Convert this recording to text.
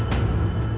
mogok di jalan